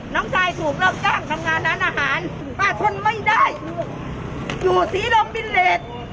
น้องชายถูกล่องกล้างทำงานร้านอาหารป้าชนไม่ได้อยู่ศรีรมบินเรศ